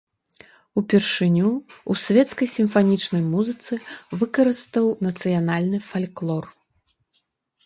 Упершыню ў свецкай сімфанічнай музыцы выкарыстаў нацыянальны фальклор.